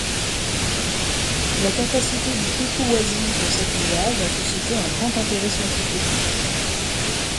La capacité du chuchuhuasi pour cet usage a suscité un grand intérêt scientifique.